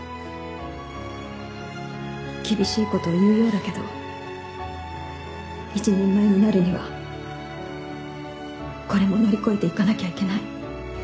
厳しいことを言うようだけど一人前になるにはこれも乗り越えていかなきゃいけない。